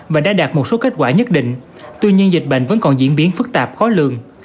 và đã đạt một số kết quả nhất định tuy nhiên dịch bệnh vẫn còn diễn biến phức tạp khó lường